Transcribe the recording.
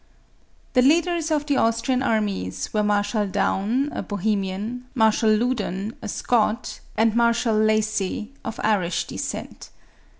The leaders of the Austrian armies, were Marshal Daun, a Bohemian ; Marshal Loudon, a Scot ; and Mar shal Lacy, of Irish descent.